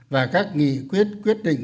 và các nghị quyết quyết định